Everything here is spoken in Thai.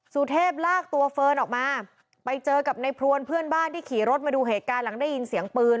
สุเทพลากตัวเฟิร์นออกมาไปเจอกับในพรวนเพื่อนบ้านที่ขี่รถมาดูเหตุการณ์หลังได้ยินเสียงปืน